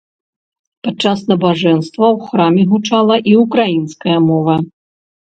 Падчас набажэнства ў храме гучала і ўкраінская мова.